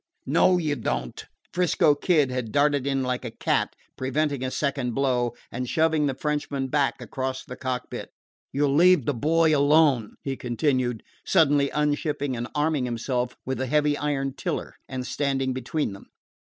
"No, you don't!" 'Frisco Kid had darted in like a cat, preventing a second blow, and shoving the Frenchman back across the cockpit. "You leave the boy alone!" he continued, suddenly unshipping and arming himself with the heavy iron tiller, and standing between them.